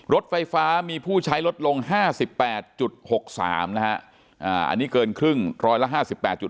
รถไฟฟ้ามีผู้ใช้ลดลง๕๘๖๓นะฮะอันนี้เกินครึ่งร้อยละ๕๘